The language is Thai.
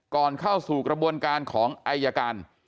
ก่อนเข้าสู่กระบวนการของอายการ